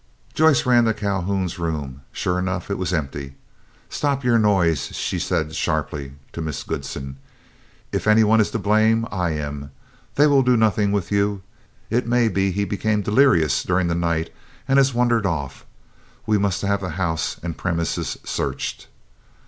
Joyce ran to Calhoun's room; sure enough it was empty. "Stop your noise," she said, sharply, to Miss Goodsen. "If any one is to blame, I am. They will do nothing with you. It may be he became delirious during the night and has wandered off. We must have the house and premises searched."